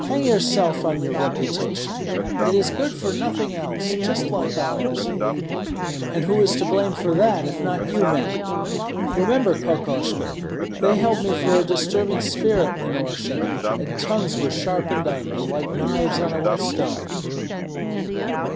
"Hang yourself on your reputation; it is good for nothing else, just like ours." "And who is to blame for that, if not you men? Remember, Kokoshko, they held me for a disturbing spirit in Orsha, and tongues were sharpened on me like knives on a whetstone."